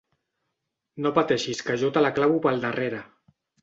No pateixis que jo te la clavo pel darrere.